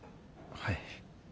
はい。